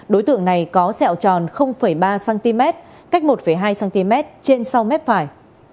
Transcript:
đối tượng này có sẹo tròn ba cm cách một hai cm trên sau mép phải